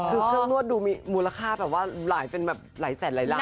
คือเครื่องนวดดูมีมูลค่าแบบว่าหลายเป็นแบบหลายแสนหลายล้าน